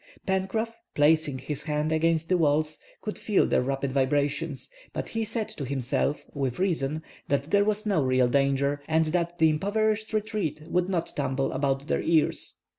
Pencroff, placing his hand against the walls, could feel their rapid vibrations; but he said to himself, with reason, that there was no real danger, and that the improvised retreat would not tumble about their ears.